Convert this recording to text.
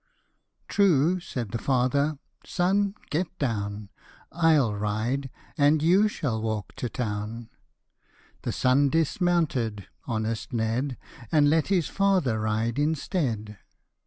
" True," said the father ;" Son, get down : I'll ride, and you shall walk to town." The son dismounted honest Ned, And let his father ride instead.